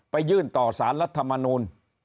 ไปยื่นต่อสารรัฐมนุน